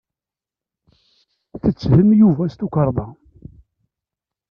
Tetthem Yuba s tukerḍa.